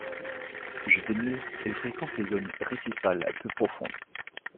Juvénile, il fréquente les zones récifales peu profondes.